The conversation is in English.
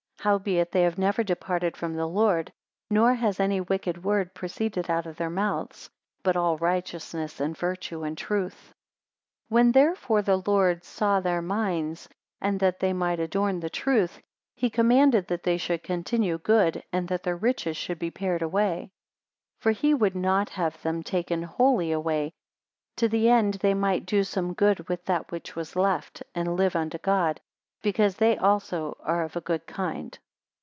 256 Howbeit they have never departed from the Lord, nor has any wicked word proceeded out of their mouths; but all righteousness, and virtue, and truth. 257 When therefore the Lord saw their minds, and that they might adorn the truth; he commanded that they should continue good, and that their riches should be pared away: 258 For he would not have them taken wholly away, to the end they might do some good with that which was left, and live unto God; because they also are of a good kind.